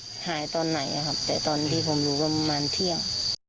ดูว่าเด็กหายตอนไหนนะครับแต่ตอนที่ผมรู้ก็มันมาเที่ยว